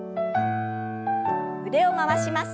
腕を回します。